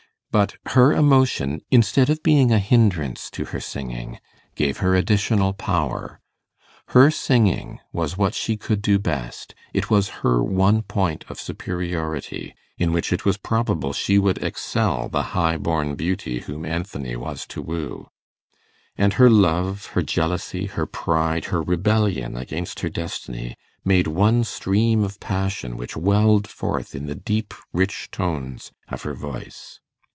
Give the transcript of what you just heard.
But her emotion, instead of being a hindrance to her singing, gave her additional power. Her singing was what she could do best; it was her one point of superiority, in which it was probable she would excel the highborn beauty whom Anthony was to woo; and her love, her jealousy, her pride, her rebellion against her destiny, made one stream of passion which welled forth in the deep rich tones of her voice.